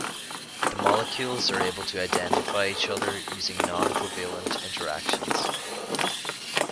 The molecules are able to identify each other using noncovalent interactions.